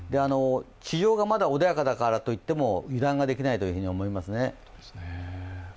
地上がまだ穏やかだからといっても油断ができないと思います。